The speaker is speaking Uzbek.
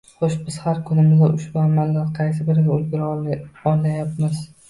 Xo`sh, biz har kunimizda ushbu amallarning qaysi biriga ulgura olayapmiz